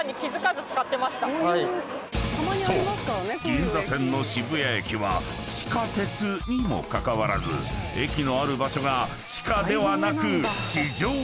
銀座線の渋谷駅は地下鉄にもかかわらず駅のある場所が地下ではなく］